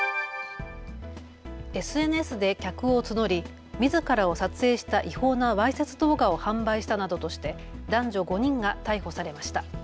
ＳＮＳで客を募り、みずからを撮影した違法なわいせつ動画を販売したなどとして男女５人が逮捕されました。